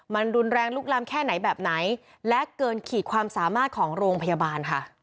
มันรุนแรงลุกล้ำแค่ไหนแบบไหนและเกินขีดความสามารถของโรงพยาบาลค่ะ